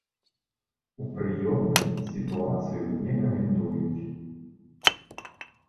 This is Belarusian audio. У прыёмнай сітуацыю не каментуюць.